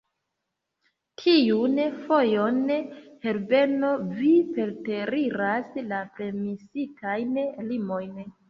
Tiun fojon, Herbeno, vi preteriras la permesitajn limojn.